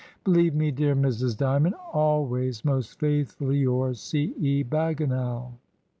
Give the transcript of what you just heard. Believe me, dear Mrs. Dymond, always most faithfully yours, "C. E. Bagginal."